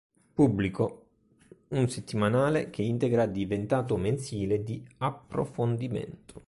Pubblico, un settimanale che integra diventato mensile di approfondimento.